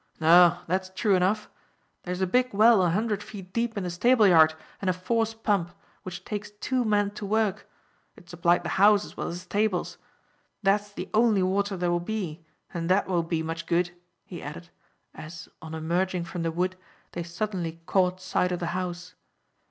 "No, that's true enough. There's a big well a hundred feet deep in the stable yard, and a force pump, which takes two men to work. It supplied the house as well as the stables. That's the only water there will be, and that won't be much good," he added, as, on emerging from the wood, they suddenly caught sight of the house.